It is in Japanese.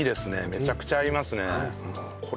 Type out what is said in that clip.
めちゃくちゃいいっす。